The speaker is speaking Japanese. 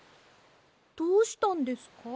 どうしたんですか？